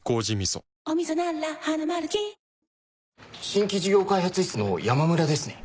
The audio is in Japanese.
新規事業開発室の山村ですね？